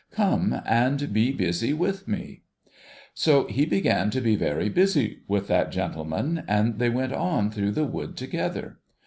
Come and be busy with me !' So, he began to be very busy with that gentleman, and they went on through the wood together.